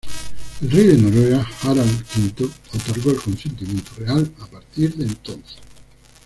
El Rey de Noruega, Harald V, otorgó el consentimiento real a partir de entonces.